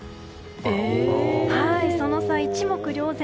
その差、一目瞭然。